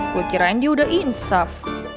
gue kirain dia udah insuf